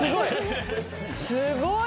すごい！